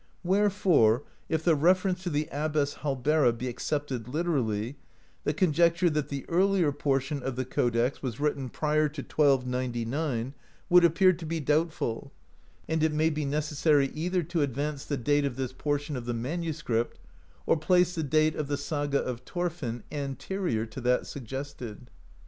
Wherefore, if the reference to the Abbess Hallbera be accepted literally, the conjecture that the earlier portion of the codex was written prior to 1299 would appear to be doubtful, and it 21 AMERICA DISCOVERED BY NORSEMEN may be necessary either to advance the date of this por tion of the manuscript or place the date of the Saga of Thorfinn anterior to that suggested.